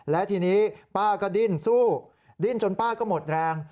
และทีนี้ป้าก็ดิ้นสู้ดิ้นจนป้าก็หมดแรง